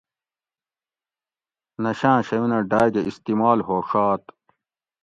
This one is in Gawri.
نشاۤں شیونہ ڈاۤگہ استعمال ہوڛات